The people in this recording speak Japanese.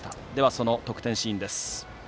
その得点シーンです。